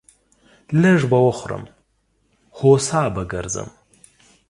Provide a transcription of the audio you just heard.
لږ به خورم ، هو سا به گرځم.